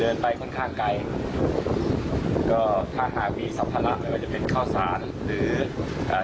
เดินไปค่อนข้างไกลก็ถ้ามีสัมพลักษณ์ในการจะเป็นข้าวสารหรืออ่า